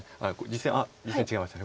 実戦違いました。